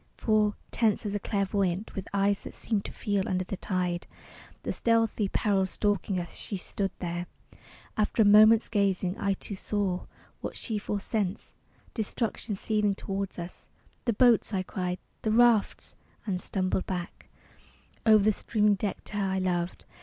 For, tense as a clairvoyant, With eyes that seemed to feel under the tide The stealthy peril stalking us, she stood there. After a moment's gazing, I too saw What she foresensed destruction seething toward us. "The boats!" I cried, "the rafts!" And stumbled back Over the streaming deck to her I loved.